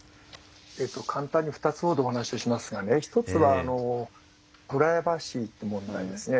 えっと簡単に２つほどお話をしますがね一つはプライバシーって問題ですね。